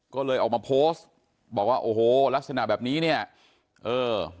ก็เลยออกมาโพสต์บอกว่าโอ้โหลักษณะแบบนี้เนี่ยเออ